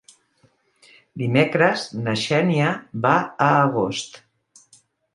Dimecres na Xènia va a Agost.